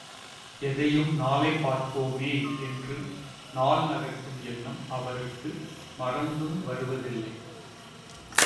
எதையும் நாளை பார்ப்போமே என்று நாள் நகர்த்தும் எண்ணம் அவருக்கு மறந்தும் வருவதில்லை.